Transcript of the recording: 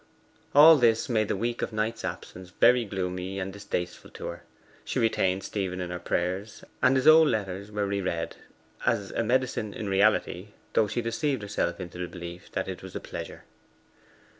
All this made the week of Knight's absence very gloomy and distasteful to her. She retained Stephen in her prayers, and his old letters were re read as a medicine in reality, though she deceived herself into the belief that it was as a pleasure.